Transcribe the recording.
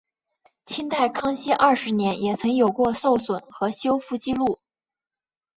清代康熙二十年也曾有过受损和修复纪录。